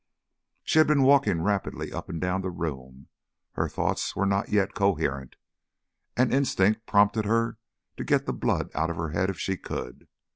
She had been walking rapidly up and down the room. Her thoughts were not yet coherent, and instinct prompted her to get the blood out of her head if she could.